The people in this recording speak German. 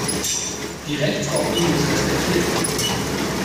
Die Rechtsordnung muss respektiert werden.